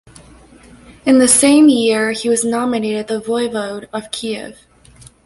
In the same year he was nominated the voivode of Kiev.